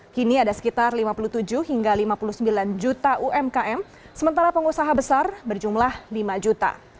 kini ada sekitar lima puluh tujuh hingga lima puluh sembilan juta umkm sementara pengusaha besar berjumlah lima juta